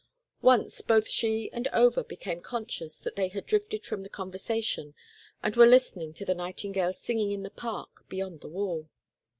Once both she and Over became conscious that they had drifted from the conversation and were listening to the nightingales singing in the park beyond the wall.